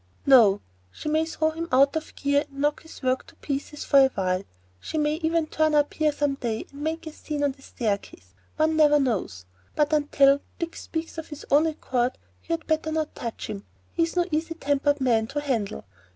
"No. She may throw him out of gear and knock his work to pieces for a while. She may even turn up here some day and make a scene on the staircase: one never knows. But until Dick speaks of his own accord you had better not touch him. He is no easy tempered man to handle."